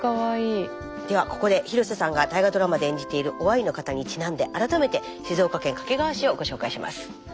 ではここで広瀬さんが大河ドラマで演じている於愛の方にちなんで改めて静岡県掛川市をご紹介します。